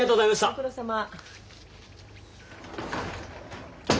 ご苦労さま。